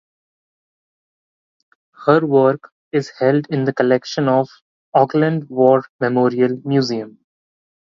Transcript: Her work is held in the collection of Auckland War Memorial Museum.